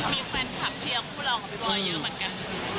มีแฟนคลับเชียร์คู่เราของพี่บอยเยอะเหมือนกัน